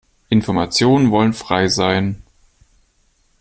Informationen wollen frei sein.